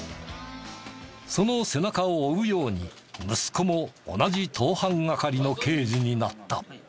その背中を追うように息子も同じ盗犯係の刑事になった。